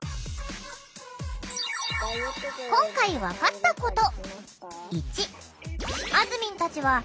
今回分かったこと！